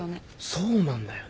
そうなんだよね。